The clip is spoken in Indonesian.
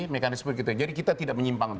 mekanisme gitu jadi kita tidak menyimpang